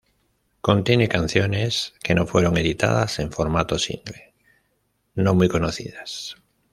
Contiene canciones que no fueron editadas en formato single, no muy conocidas.